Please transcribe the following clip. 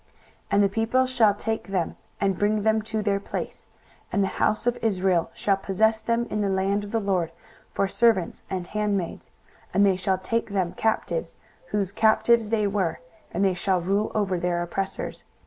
23:014:002 And the people shall take them, and bring them to their place: and the house of Israel shall possess them in the land of the LORD for servants and handmaids: and they shall take them captives, whose captives they were; and they shall rule over their oppressors.